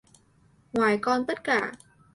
Ngoài con tất cả